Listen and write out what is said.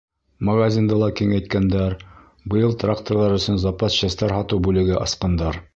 Магазинды ла киңәйткәндәр, быйыл тракторҙар өсөн запас частар һатыу бүлеге асҡандар.